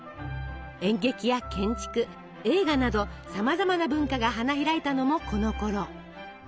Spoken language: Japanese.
演劇や建築映画などさまざまな文化が花開いたのもこのころ。